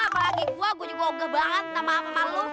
bagi gue gue juga ogeh banget sama lo